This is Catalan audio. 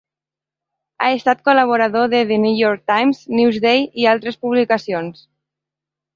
Ha estat col·laborador de "The New York Times", "Newsday" i altres publicacions.